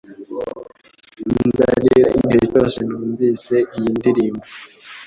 Ndarira igihe cyose numvise iyi ndirimbo